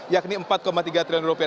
yakni empat tiga triliun rupiah